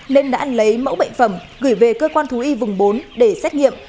nên đã lấy mẫu bệnh phẩm gửi về cơ quan thú y vùng bốn để xét nghiệm